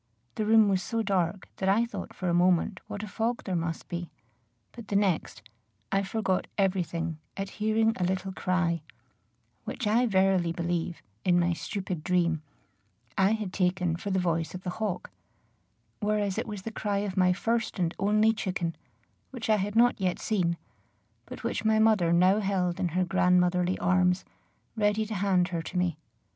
The room was so dark that I thought for a moment what a fog there must be; but the next, I forgot every thing at hearing a little cry, which I verily believe, in my stupid dream, I had taken for the voice of the hawk; whereas it was the cry of my first and only chicken, which I had not yet seen, but which my mother now held in her grandmotherly arms, ready to hand her to me.